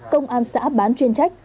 công an xã bán chuyên trách